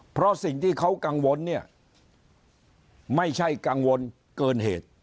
เพราะสิ่งที่เขากังวลเนี่ยไม่ใช่กังวลเกินเหตุ